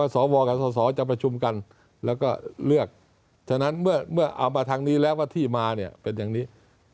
สวกับสสจะประชุมกันแล้วก็เลือกฉะนั้นเมื่อเอามาทางนี้แล้วว่าที่มาเนี่ยเป็นอย่างนี้